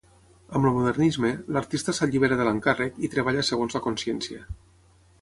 Amb el modernisme, l'artista s'allibera de l'encàrrec i treballa segons la consciència.